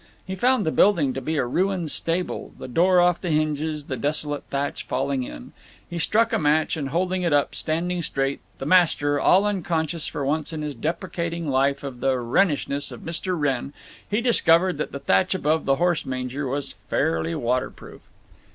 He found the building to be a ruined stable—the door off the hinges, the desolate thatch falling in. He struck a match and, holding it up, standing straight, the master, all unconscious for once in his deprecating life of the Wrennishness of Mr. Wrenn, he discovered that the thatch above the horse manger was fairly waterproof.